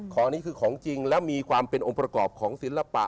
ของนี้คือของจริงแล้วมีความเป็นองค์ประกอบของศิลปะ